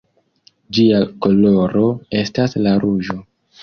Ĝia koloro estas la ruĝo.